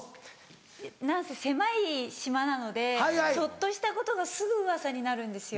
何せ狭い島なのでちょっとしたことがすぐうわさになるんですよ。